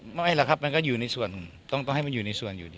ไม่หรอกครับมันก็อยู่ในส่วนต้องให้มันอยู่ในส่วนอยู่ดี